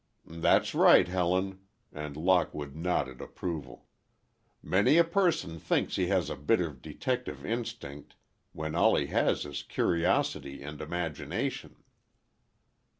"That's right, Helen," and Lockwood nodded approval. "Many a person thinks he has a bit of detective instinct, when all he has is curiosity and imagination."